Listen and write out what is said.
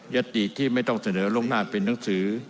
ติที่ไม่ต้องเสนอล่วงหน้าเป็นหนังสือ